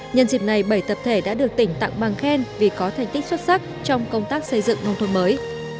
nhân dịp này bảy tập thể đã được tỉnh tặng bằng khen vì có thành tích xuất sắc trong công tác xây dựng nông thôn mới